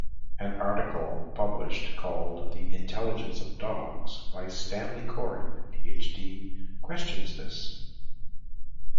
An article published called The Intelligence of Dogs by Stanley Coren, Ph.D. questions this.